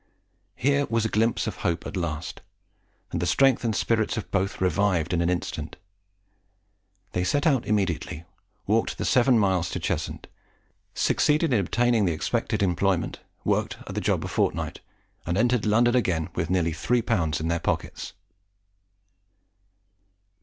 Here was a glimpse of hope at last; and the strength and spirits of both revived in an instant. They set out immediately; walked the seven miles to Cheshunt; succeeded in obtaining the expected employment; worked at the job a fortnight; and entered London again with nearly three pounds in their pockets.